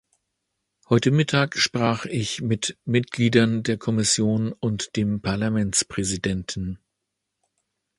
Heute mittag sprach ich mit Mitgliedern der Kommission und dem Parlamentspräsidenten.